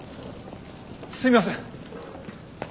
すみません！